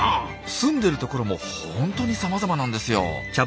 住んでるところもホントにさまざまなんですよ。